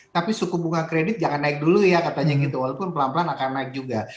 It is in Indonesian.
tapi suku bunga kredit jangan naik dulu ya katanya gitu walaupun pelan pelan akan naik juga